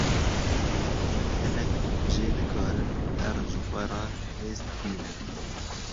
Hinek jê dikarin herin ji xwe re mêst bînin.